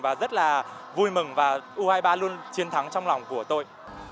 và rất là vui mừng và u hai mươi ba luôn chiến thắng trong lòng của tôi